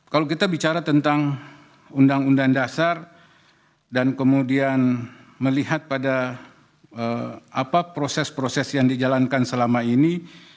kalau kita bicara tentang undang undang dasar dan kemudian melihat pada proses proses yang dijalankan selama ini